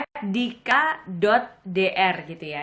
at dika dot dr gitu ya